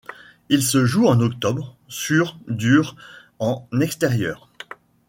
Il se joue en octobre sur dur en extérieur.